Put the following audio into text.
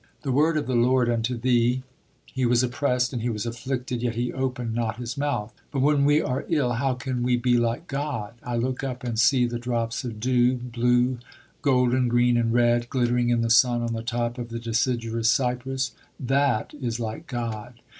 The word of the Lord unto thee: He was oppressed and he was afflicted, yet he opened not his mouth.... But, when we are ill, how can we be like God? I look up and see the drops of dew, blue, golden, green, and red, glittering in the sun on the top of the deciduous cypress that is like God.